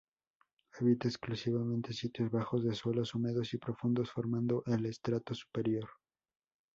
Habita exclusivamente sitios bajos, de suelos húmedos y profundos, formando el estrato superior.